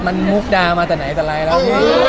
มันมุกดามาแต่ไหนแต่ไรแล้วพี่